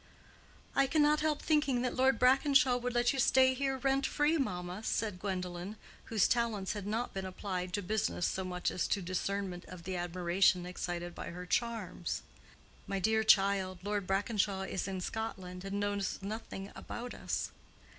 "I cannot help thinking that Lord Brackenshaw would let you stay here rent free, mamma," said Gwendolen, whose talents had not been applied to business so much as to discernment of the admiration excited by her charms. "My dear child, Lord Brackenshaw is in Scotland, and knows nothing about us.